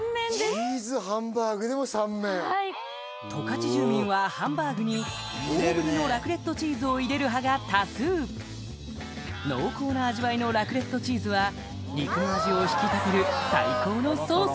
チーズハンバーグでも３面十勝住民はハンバーグに大ぶりのラクレットチーズを入れる派が多数濃厚な味わいのラクレットチーズは肉の味を引き立てる最高のソース